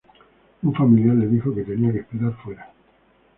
Un familiar le dijo que tenía que esperar fuera.